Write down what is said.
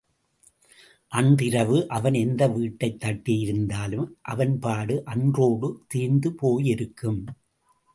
அன்றிரவு அவன் எந்த வீட்டைத் தட்டியிருந்தாலும், அவன்பாடு அன்றோடு தீர்ந்து போயிருக்கும்.